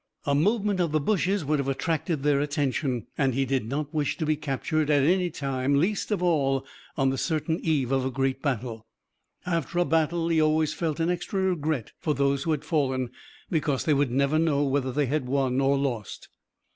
A movement of the bushes would have attracted their attention, and he did not wish to be captured at any time, least of all on the certain eve of a great battle. After a battle he always felt an extra regret for those who had fallen, because they would never know whether they had won or lost.